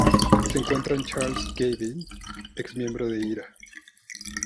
Se encuentra en Charles Gavin, ex miembro de Ira!